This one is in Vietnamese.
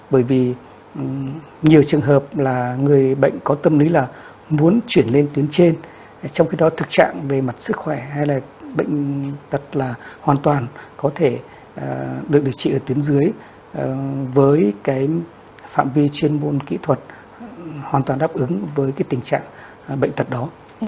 bởi vì nhiều trường hợp là người bệnh có tâm lý là muốn chuyển lên tuyến trên trong khi đó thực trạng về mặt sức khỏe hay là bệnh tật là hoàn toàn có thể được điều trị ở tuyến dưới với cái phạm vi chuyên môn kỹ thuật hoàn toàn đáp ứng với cái tình trạng bệnh tật đó